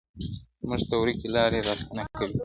موږ ته ورکي لاري را آسانه کړي!.